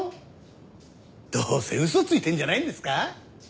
どうせ嘘ついてるんじゃないんですか？